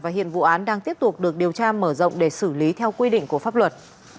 hiện vụ án đang tiếp tục được điều tra mở rộng để xử lý theo quy định của pháp luật